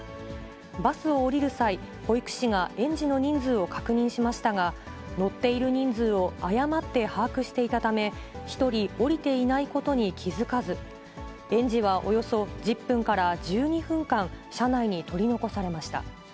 バスを降りる際、保育士が園児の人数を確認しましたが、乗っている人数を誤って把握していたため、１人降りていないことに気付かず、園児はおよそ１０分から１２分間、車内に取り残されました。